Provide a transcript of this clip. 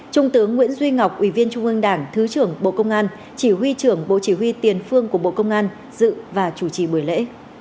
trung tướng nguyễn duy ngọc ủy viên trung ương đảng thứ trưởng bộ công an chỉ huy trưởng bộ chỉ huy tiền phương của bộ công an dự và chủ trì buổi lễ